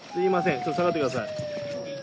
ちょっと下がってください。